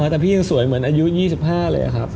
แต่พี่ยังสวยเหมือนอายุ๒๕เลยครับ